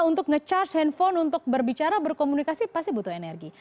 untuk nge charge handphone untuk berbicara berkomunikasi pasti butuh energi